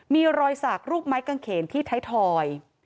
มีรอยสักรูปไม้กางเขนที่ไทยทอย